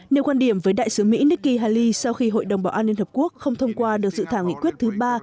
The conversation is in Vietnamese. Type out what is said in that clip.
nếu quan điểm với đại sứ mỹ nikki haley sau khi hội đồng bảo an liên hợp quốc không thông qua được dự thảo nghị quyết thứ ba